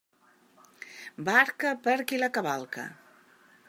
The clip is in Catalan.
Barca, per qui la cavalca.